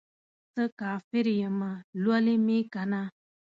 څه کافر یمه ، لولی مې کنه